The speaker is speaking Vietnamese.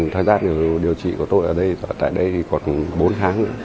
thời gian điều trị của tôi ở đây tại đây thì còn bốn tháng nữa